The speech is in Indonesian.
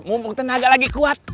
mumpung tenaga lagi kuat